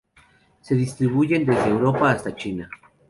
Se distribuyen desde Europa hasta China.